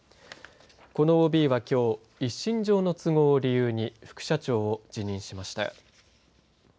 このＯＢはきょう一身上の都合を理由に副社長を辞任しました。